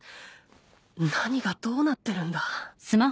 何がどうなってるんだ。